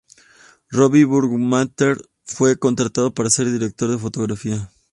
Robby Baumgartner fue contratado para ser el director de fotografía.